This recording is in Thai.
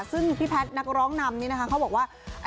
ซึ่งพี่แพทย์นักร้องนำนี้นะคะเขาบอกว่า